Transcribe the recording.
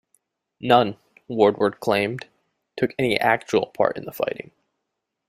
None, Woordward claimed, took any actual part in the fighting.